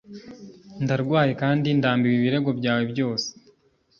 Ndarwaye kandi ndambiwe ibirego byawe byose.